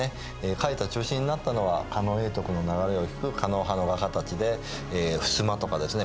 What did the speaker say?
描いた中心になったのは狩野永徳の流れを引く狩野派の画家たちでふすまとかですね